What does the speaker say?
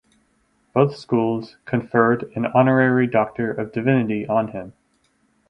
Both schools conferred an honorary doctor of divinity on him.